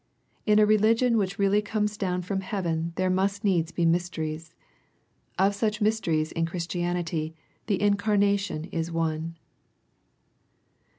In a religion which really comes down from heaven there must needs be mysteries. Of such mysteries in Christianity, the incarnation is one.